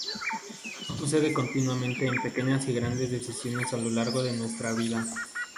Nos sucede continuamente en pequeñas y grandes decisiones a lo largo de nuestra vida.